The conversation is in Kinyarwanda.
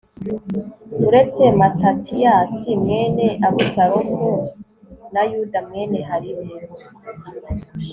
uretse matatiyasi mwene abusalomu, na yuda mwene kalifi